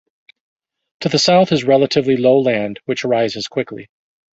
To the south is relatively low land, which rises quickly.